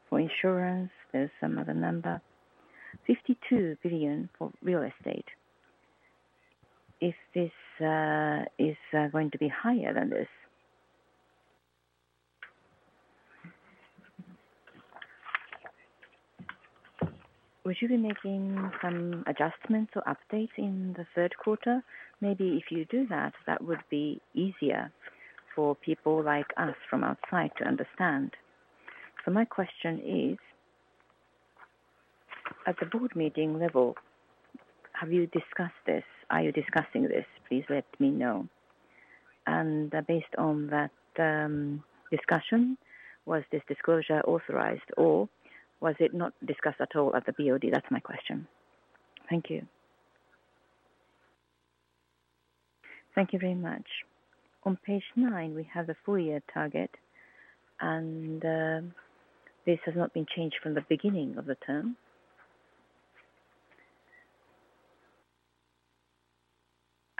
for insurance, there's some other number, 52 billion for real estate. Is this going to be higher than this? Would you be making some adjustments or updates in the third quarter? Maybe if you do that, that would be easier for people like us from outside to understand. My question is, at the board meeting level, have you discussed this? Are you discussing this? Please let me know. And based on that discussion, was this disclosure authorized or was it not discussed at all at the BOD? That's my question. Thank you. Thank you very much. On page 9, we have the full year target, and this has not been changed from the beginning of the term.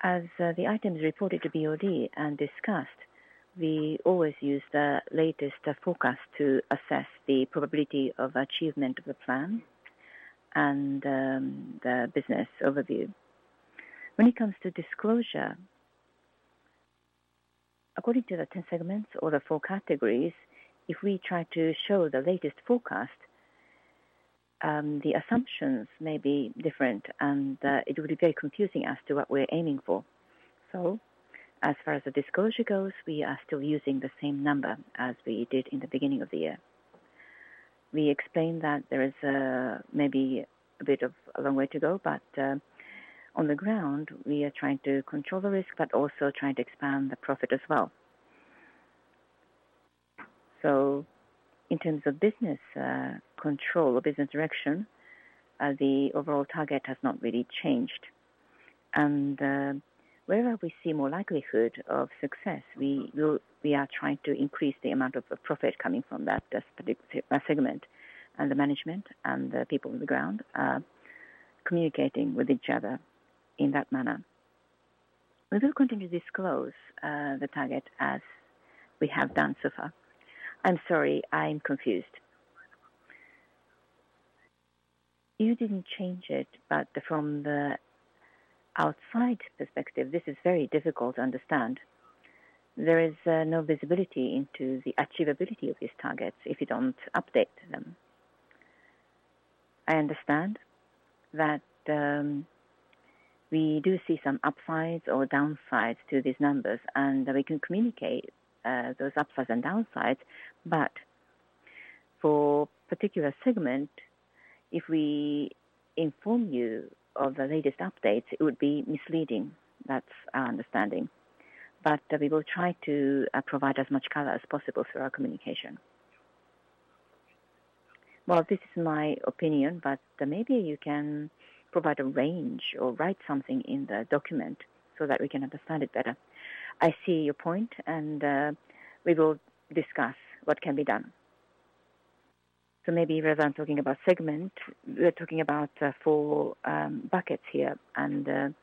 As the items reported to BOD and discussed, we always use the latest forecast to assess the probability of achievement of the plan and the business overview. When it comes to disclosure, according to the 10 segments or the four categories, if we try to show the latest forecast, the assumptions may be different, and it will be very confusing as to what we're aiming for. So as far as the disclosure goes, we are still using the same number as we did in the beginning of the year. We explained that there is maybe a bit of a long way to go, but on the ground, we are trying to control the risk, but also trying to expand the profit as well. So in terms of business control or business direction, the overall target has not really changed. Wherever we see more likelihood of success, we are trying to increase the amount of the profit coming from that specific segment, and the management and the people on the ground are communicating with each other in that manner. We will continue to disclose the target as we have done so far. I'm sorry, I'm confused. You didn't change it, but from the outside perspective, this is very difficult to understand. There is no visibility into the achievability of these targets if you don't update them. I understand that we do see some upsides or downsides to these numbers, and we can communicate those upsides and downsides, but for particular segment, if we inform you of the latest updates, it would be misleading. That's our understanding. But we will try to provide as much color as possible through our communication. Well, this is my opinion, but maybe you can provide a range or write something in the document so that we can understand it better. I see your point, and we will discuss what can be done. So maybe rather than talking about segment, we're talking about four buckets here, and...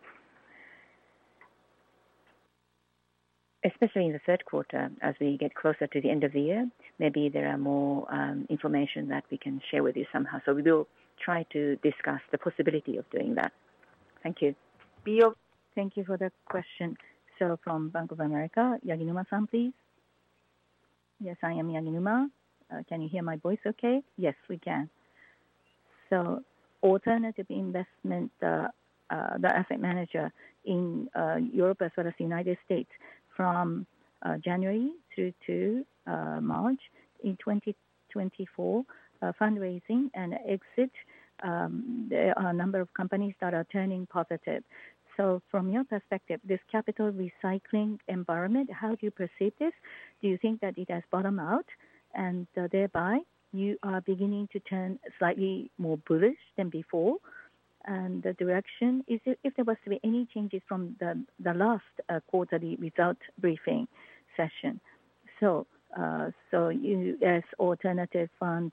Especially in the third quarter, as we get closer to the end of the year, maybe there are more information that we can share with you somehow. So we will try to discuss the possibility of doing that. Thank you. Thank you for the question. So from Bank of America, Yaginuma-san, please. Yes, I am Yaginuma. Can you hear my voice okay? Yes, we can. So alternative investment, the asset manager in, Europe as well as the United States from, January through to, March in 2024, fundraising and exit, there are a number of companies that are turning positive. So from your perspective, this capital recycling environment, how do you perceive this? Do you think that it has bottomed out, and, thereby you are beginning to turn slightly more bullish than before? And the direction, is it, if there was to be any changes from the, the last, quarterly result briefing session. So, so you as alternative fund,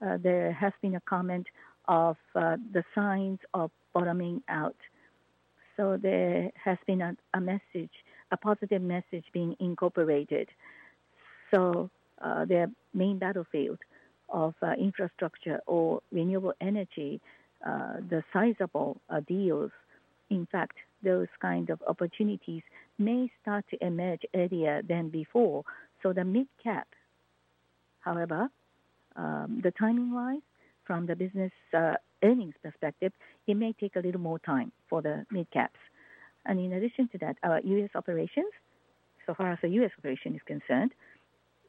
there has been a comment of, the signs of bottoming out. So there has been a, a message, a positive message being incorporated. So, the main battlefield of infrastructure or renewable energy, the sizable deals, in fact, those kind of opportunities may start to emerge earlier than before, so the mid-cap. However, the timing-wise, from the business earnings perspective, it may take a little more time for the mid-caps. In addition to that, our U.S. operations, so far as the U.S. operation is concerned,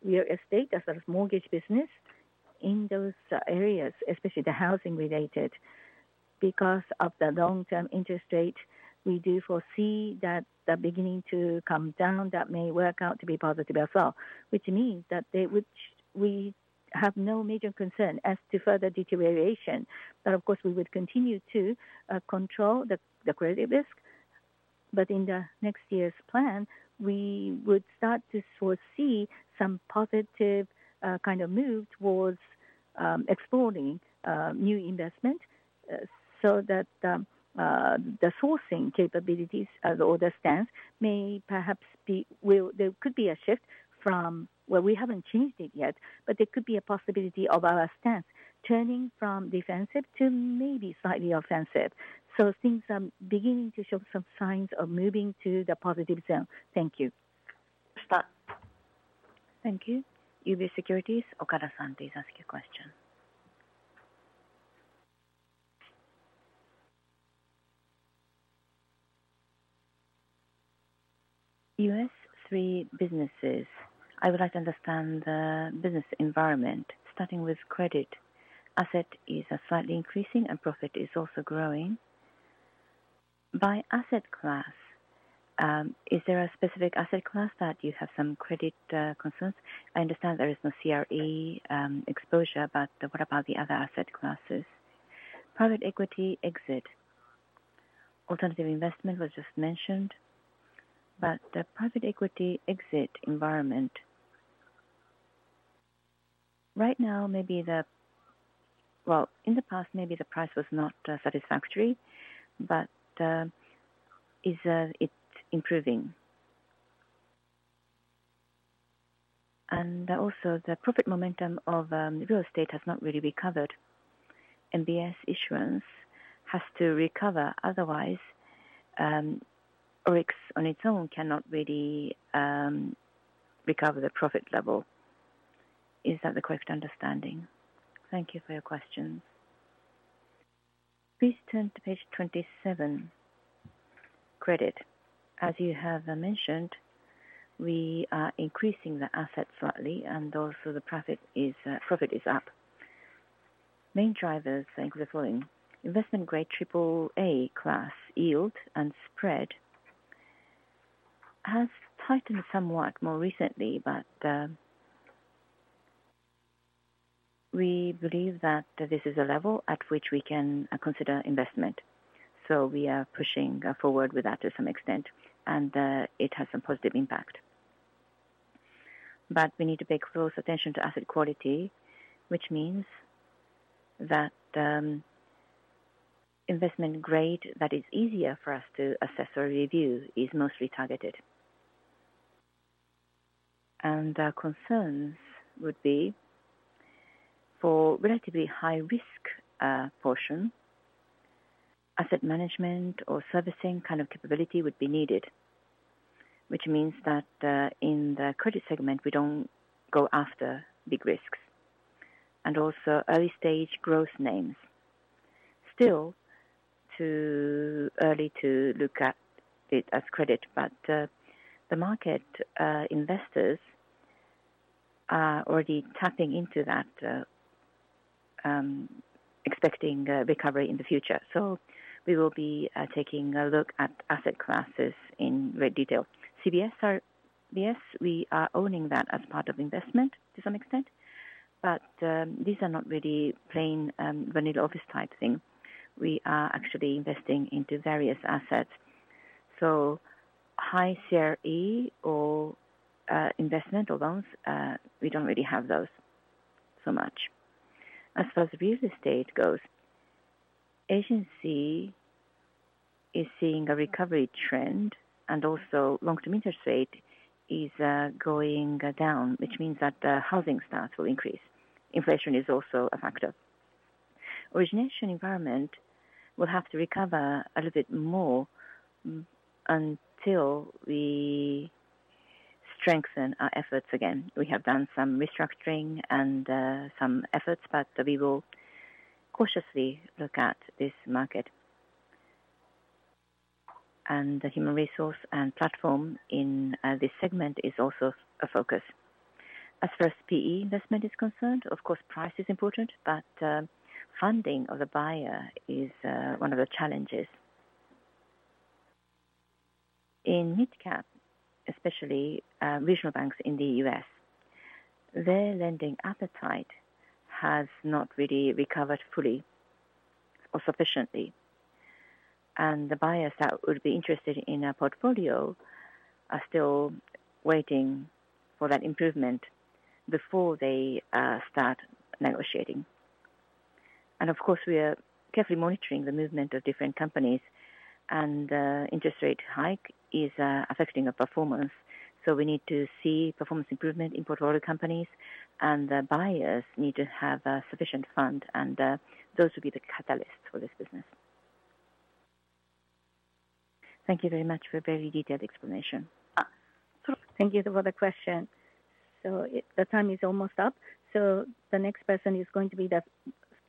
real estate as well as mortgage business in those areas, especially the housing related, because of the long-term interest rate, we do foresee that they're beginning to come down. That may work out to be positive as well, which means that they, which we have no major concern as to further deterioration. But of course, we would continue to control the credit risk.... but in the next year's plan, we would start to foresee some positive, kind of move towards, exploring, new investment, so that, the sourcing capabilities as order stands may perhaps be, there could be a shift from, well, we haven't changed it yet, but there could be a possibility of our stance turning from defensive to maybe slightly offensive. So things are beginning to show some signs of moving to the positive zone. Thank you. Thank you. UBS Securities, Okada-san, please ask your question. U.S. three businesses. I would like to understand the business environment, starting with credit. Assets are slightly increasing and profit is also growing. By asset class, is there a specific asset class that you have some credit concerns? I understand there is no CRE exposure, but what about the other asset classes? Private equity exit. Alternative investment was just mentioned, but the private equity exit environment, right now, maybe the... Well, in the past, maybe the price was not satisfactory, but, is it improving? And also, the profit momentum of real estate has not really recovered. MBS issuance has to recover, otherwise, ORIX, on its own, cannot really recover the profit level. Is that the correct understanding? Thank you for your questions. Please turn to page 27. Credit. As you have mentioned, we are increasing the assets slightly, and also the profit is, profit is up. Main drivers include the following: Investment grade Triple A class yield and spread has tightened somewhat more recently, but we believe that this is a level at which we can consider investment. So we are pushing forward with that to some extent, and it has some positive impact. But we need to pay close attention to asset quality, which means that investment grade, that is easier for us to assess or review, is mostly targeted. And our concerns would be for relatively high risk portion, asset management or servicing kind of capability would be needed, which means that in the credit segment, we don't go after big risks and also early stage growth names. Still too early to look at it as credit, but the market investors are already tapping into that, expecting a recovery in the future. So we will be taking a look at asset classes in great detail. CMBS, yes, we are owning that as part of investment to some extent, but these are not really plain vanilla office type thing. We are actually investing into various assets, so high CRE or investment or loans, we don't really have those so much. As far as real estate goes, agency is seeing a recovery trend, and also long-term interest rate is going down, which means that the housing starts will increase. Inflation is also a factor. Origination environment will have to recover a little bit more until we strengthen our efforts again. We have done some restructuring and some efforts, but we will cautiously look at this market. And the human resource and platform in this segment is also a focus. As far as PE investment is concerned, of course, price is important, but funding of the buyer is one of the challenges. In mid-cap, especially regional banks in the U.S., their lending appetite has not really recovered fully or sufficiently, and the buyers that would be interested in our portfolio are still waiting for that improvement before they start negotiating. And of course, we are carefully monitoring the movement of different companies, and interest rate hike is affecting our performance. So we need to see performance improvement in portfolio companies, and the buyers need to have a sufficient fund, and those will be the catalysts for this business. Thank you very much for a very detailed explanation. Thank you for the question. So, the time is almost up, so the next person is going to be the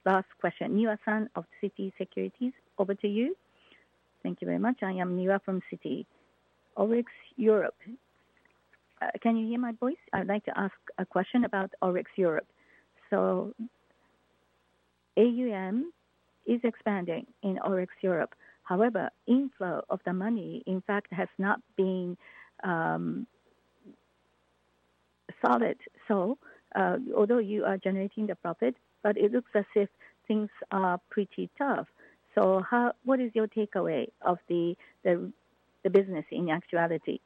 last question. Miwa-san of Citi Securities, over to you. Thank you very much. I am Miwa from Citi. ORIX Europe. Can you hear my voice? I'd like to ask a question about ORIX Europe. So AUM is expanding in ORIX Europe. However, inflow of the money, in fact, has not been solid. So, although you are generating the profit, but it looks as if things are pretty tough. So how, what is your takeaway of the business in actuality?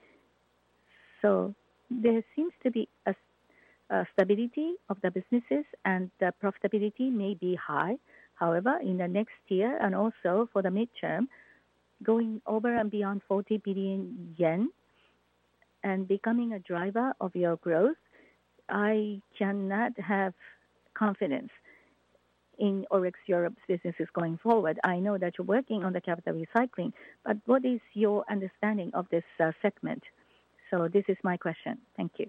So there seems to be a stability of the businesses and the profitability may be high. However, in the next year and also for the midterm, going over and beyond 40 billion yen and becoming a driver of your growth, I cannot have confidence in ORIX Europe's businesses going forward. I know that you're working on the capital recycling, but what is your understanding of this segment? So this is my question. Thank you.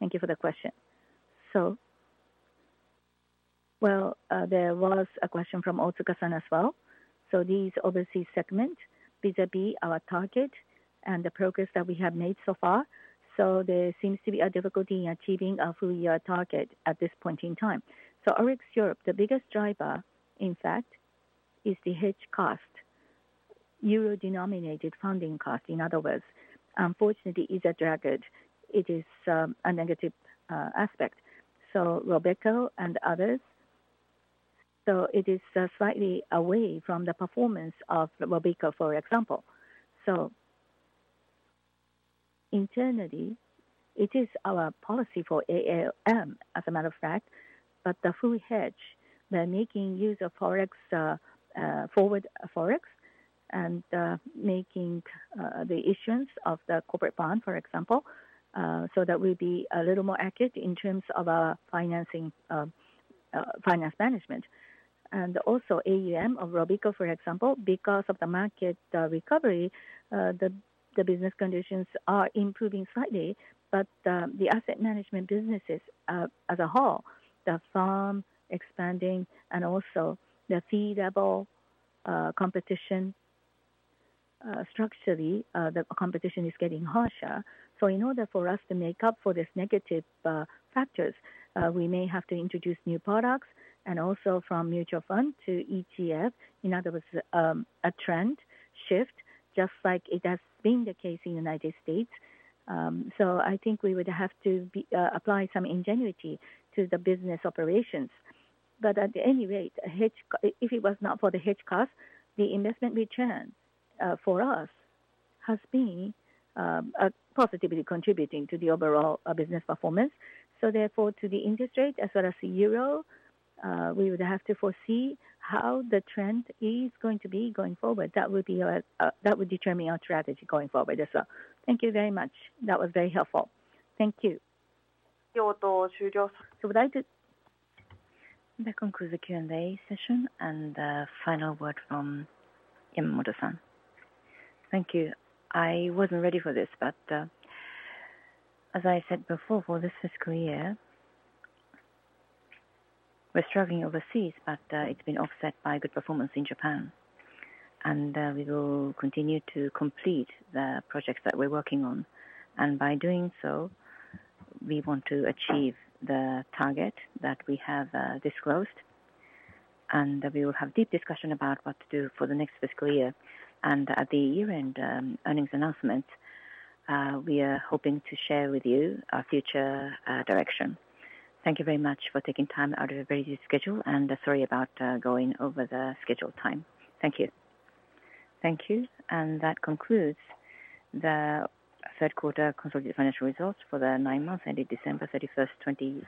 Thank you for the question. So, well, there was a question from Otsuka-san as well. So these overseas segment, vis-à-vis our target and the progress that we have made so far, so there seems to be a difficulty in achieving a full year target at this point in time. So ORIX Europe, the biggest driver, in fact, is the hedge cost, euro-denominated funding cost, in other words. Unfortunately, it's a drag it, it is, a negative, aspect. So Robeco and others, so it is, slightly away from the performance of Robeco, for example. So internally, it is our policy for AUM, as a matter of fact, but the full hedge, we are making use of Forex, forward Forex and, making, the issuance of the corporate bond, for example. So that will be a little more accurate in terms of our financing, finance management. Also, AUM of Robeco, for example, because of the market recovery, the business conditions are improving slightly, but the asset management businesses as a whole, the firm expanding and also the fee level competition structurally the competition is getting harsher. So in order for us to make up for this negative factors, we may have to introduce new products and also from mutual fund to ETF. In other words, a trend shift, just like it has been the case in the United States. So I think we would have to apply some ingenuity to the business operations. But at any rate, if it was not for the hedge cost, the investment return for us has been positively contributing to the overall business performance. So therefore, to the interest rate as well as the euro, we would have to foresee how the trend is going to be going forward. That would be our, that would determine our strategy going forward as well. Thank you very much. That was very helpful. Thank you. That concludes the Q&A session, and the final word from Yamamoto-san. Thank you. I wasn't ready for this, but as I said before, for this fiscal year, we're struggling overseas, but it's been offset by good performance in Japan. We will continue to complete the projects that we're working on, and by doing so, we want to achieve the target that we have disclosed. We will have deep discussion about what to do for the next fiscal year. And at the year-end earnings announcement, we are hoping to share with you our future direction. Thank you very much for taking time out of your busy schedule, and sorry about going over the scheduled time. Thank you. Thank you. That concludes the third quarter consolidated financial results for the nine months ending December 31, 2023.